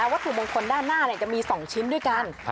วัตถุมงคลด้านหน้าจะมี๒ชิ้นด้วยกัน